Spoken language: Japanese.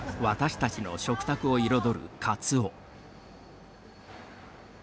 私たちの食卓を彩るカツオ。